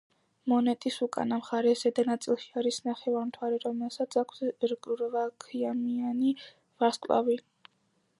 მონეტის უკანა მხარეს ზედა ნაწილში არის ნახევარმთვარე, რომელსაც აქვს რვაქიმიანი ვარსკვლავი.